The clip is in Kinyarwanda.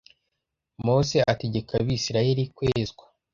mose ategeka abisiraheli kwezwa